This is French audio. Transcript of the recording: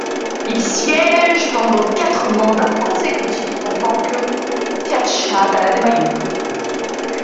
Il siège pendant quatre mandats consécutifs en tant que Teachta Dála de Mayo.